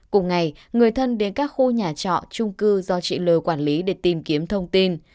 cùng ngày người thân đến các khu nhà trọ trung cư do chị l quản lý để tìm kiếm thông tin